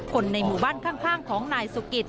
คนในหมู่บ้านข้างของนายสุกิต